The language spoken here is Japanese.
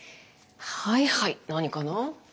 はいはい何かな？